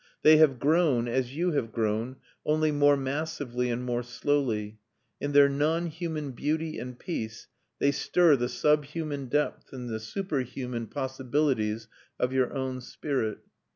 They have grown, as you have grown, only more massively and more slowly. In their non human beauty and peace they stir the sub human depths and the superhuman possibilities of your own spirit.